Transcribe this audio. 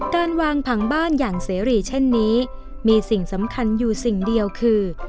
การวางผังบ้านอย่างเสรีเช่นนี้มีสิ่งสำคัญอยู่สิ่งเดียวคือ